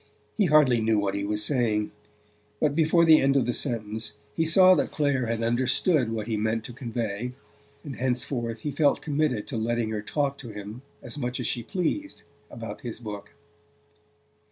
He hardly knew what he was saying; but before the end of the sentence he saw that Clare had understood what he meant to convey, and henceforth he felt committed to letting her talk to him as much as she pleased about his book.